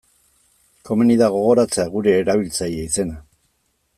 Komeni da gogoratzea geure erabiltzaile izena.